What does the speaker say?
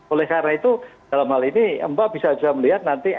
oleh karena itu dalam hal ini mbak bisa juga melihat nanti